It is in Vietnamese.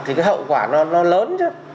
thì cái hậu quả nó lớn chứ